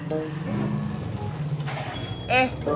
apak ini siapa